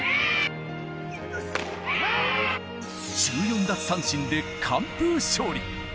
１４奪三振で完封勝利。